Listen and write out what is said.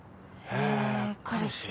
へぇ彼氏。